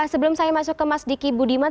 sebelum saya masuk ke mas diki budiman